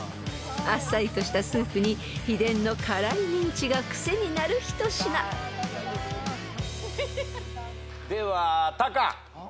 ［あっさりとしたスープに秘伝の辛いミンチがくせになる一品］ではタカ。